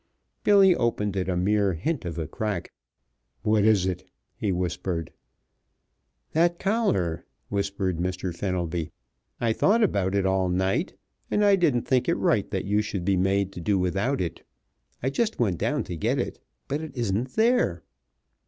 Billy opened it a mere hint of a crack. "What is it?" he whispered. "That collar," whispered Mr. Fenelby. "I thought about it all night, and I didn't think it right that you should be made to do without it. I just went down, to get it, but it isn't there."